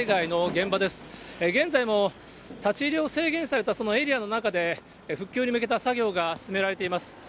現在も立ち入りを制限されたそのエリアの中で、復旧に向けた作業が進められています。